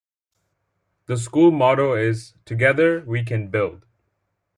The school motto is "Together we can build".